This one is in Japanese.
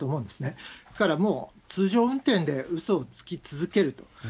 ですから、もう通常運転でうそをつき続けると。